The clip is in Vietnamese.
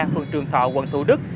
phường trường thọ quận thủ đức